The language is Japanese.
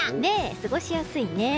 過ごしやすいね。